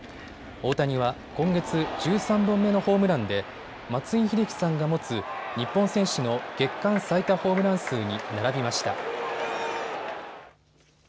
大谷は今月、１３本目のホームランで松井秀喜さんが持つ日本選手の月間最多ホームラン数に並びました。